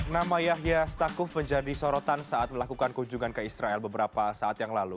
nama yahya stakuf menjadi sorotan saat melakukan kunjungan ke israel beberapa saat yang lalu